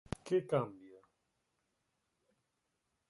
Que cambia?